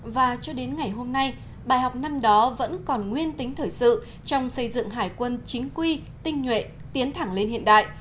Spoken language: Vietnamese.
và cho đến ngày hôm nay bài học năm đó vẫn còn nguyên tính thời sự trong xây dựng hải quân chính quy tinh nhuệ tiến thẳng lên hiện đại